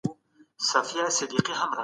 لاسکي به د سياست په تاريخ کي ياد ساتل کېږي.